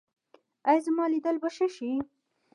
ایا زما لیدل به ښه شي؟